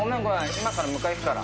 今から迎え行くから。